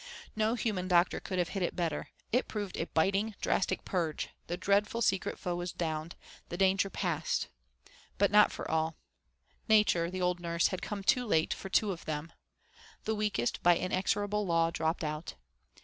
No human doctor could have hit it better; it proved a biting, drastic purge, the dreadful secret foe was downed, the danger passed. But not for all Nature, the old nurse, had come too late for two of them. The weakest, by inexorable law, dropped out.